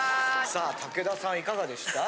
さあ武田さんいかがでした？